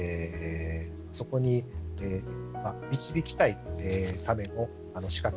そこに導きたいための仕掛け。